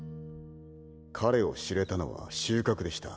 彼を知れたのは収穫でした。